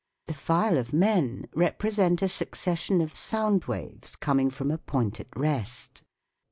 The file of men represent a succession of sound waves coming from a point at rest.